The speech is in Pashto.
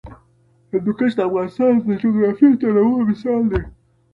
هندوکش د افغانستان د جغرافیوي تنوع مثال دی.